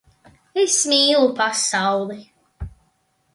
Es mīlu pasauli!